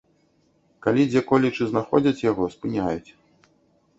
Калі дзе-колечы знаходзяць яго, спыняюць.